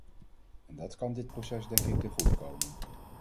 En dat kan dit proces denk ik ten goede komen.